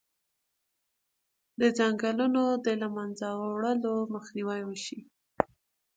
د ځنګلونو د له منځه وړلو مخنیوی وشي.